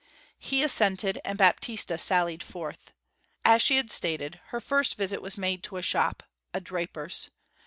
He assented; and Baptista sallied forth. As she had stated, her first visit was made to a shop, a draper's.